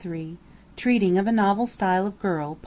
TREATING OF A NOVEL STYLE OF GIRL.